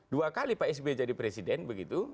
dua kali pak sby jadi presiden begitu